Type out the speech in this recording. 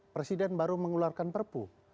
presiden baru mengeluarkan perpu